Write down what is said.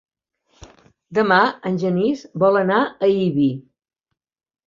Demà en Genís vol anar a Ibi.